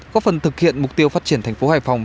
có phần thực hiện mục tiêu phát triển thành phố hải phòng